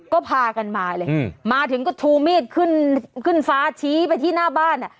ก็พากันมาเลยมาถึงก็ชูมีดขึ้นขึ้นฟ้าชี้ไปที่หน้าบ้านอ่ะ